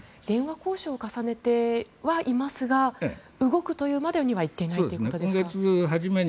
電話交渉を重ねてはいますが動くというまでには行っていないということですか。